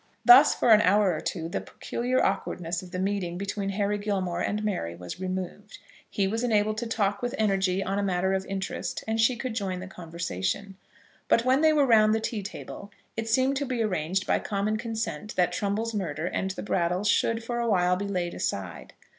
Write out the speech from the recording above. Thus for an hour or two the peculiar awkwardness of the meeting between Harry Gilmore and Mary was removed. He was enabled to talk with energy on a matter of interest, and she could join the conversation. But when they were round the tea table it seemed to be arranged by common consent that Trumbull's murder and the Brattles should, for a while, be laid aside.